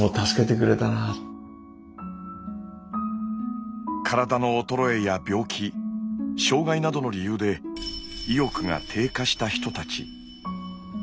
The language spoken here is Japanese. その時体の衰えや病気障がいなどの理由で意欲が低下した人たち。